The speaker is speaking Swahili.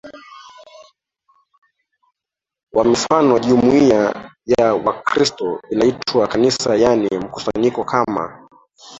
wa mifano Jumuia ya Wakristo inaitwa Kanisa yaani mkusanyiko kama